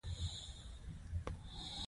ملګرو ملتونو کوم کارونه باید سرته ورسوي؟